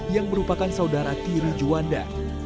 yang merupakan saudara tiri juanda